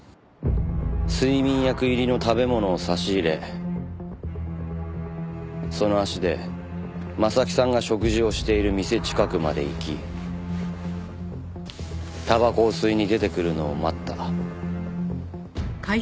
睡眠薬入りの食べ物を差し入れその足で征木さんが食事をしている店近くまで行きたばこを吸いに出てくるのを待った。